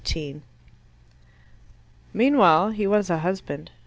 XVIII Meanwhile he was a husband.